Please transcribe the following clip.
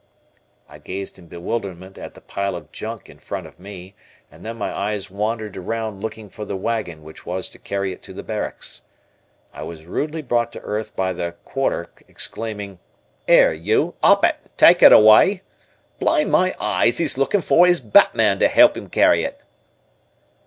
I gazed in bewilderment at the pile of junk in front of me, and then my eyes wandered around looking for the wagon which was to carry it to the barracks. I was rudely brought to earth by the "Quarter" exclaiming, "'Ere, you, 'op it, tyke it aw'y; blind my eyes, 'e's looking for 'is batman to 'elp 'im carry it."